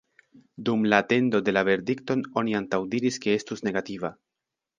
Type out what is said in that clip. Dum la atendo de la verdikton oni antaŭdiris ke estus negativa.